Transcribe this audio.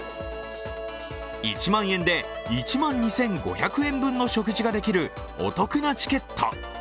１万円で１万２５００円分の食事ができるお得なチケット。